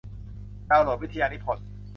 ดาวน์โหลดวิทยานิพนธ์